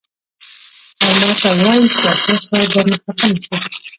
او ماته وائي چې ډاکټر صېب درنه خفه نشي " ـ